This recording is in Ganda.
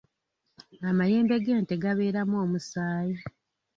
Amayembe g’ente gabeeramu omusaayi.